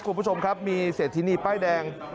คุณผู้ชมครับมีเศรษฐินีป้ายแดง